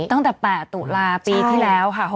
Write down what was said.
ตั้งแต่๘ตุลาปีที่แล้วค่ะ